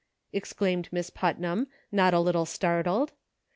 " exclaimed Miss Putnam, not a little startled.